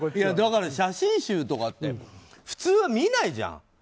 写真集とかって普通は見ないじゃん。